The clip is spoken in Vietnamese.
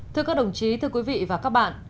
thưa các đồng chí thưa quý vị và các bạn